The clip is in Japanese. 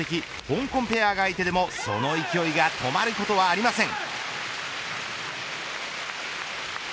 香港ペアが相手でもその勢いが止まることはありません。